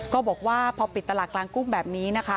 ก็บอกว่าพอปิดตลาดกลางกุ้งแบบนี้นะคะ